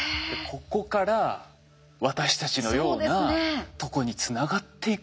ここから私たちのようなとこにつながっていくって。